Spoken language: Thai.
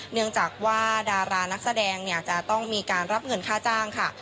เนื่องจากว่าดารานักแสดงเนี่ยจะต้องมีการรับเงินค่าจ้างค่ะ